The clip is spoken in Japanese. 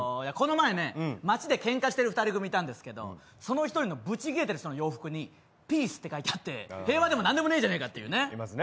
この前ね街でケンカしてる２人組いたんですけどその１人のブチ切れてる人の洋服にピースって書いてあって平和でも何でもねえじゃねぇかっていうね。